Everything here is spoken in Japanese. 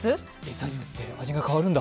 餌によって味が変わるんだ。